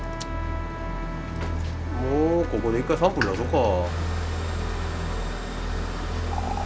もうここで一回サンプル出そうか。